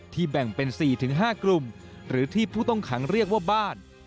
แบ่งเป็น๔๕กลุ่มหรือที่ผู้ต้องขังเรียกว่าบ้าน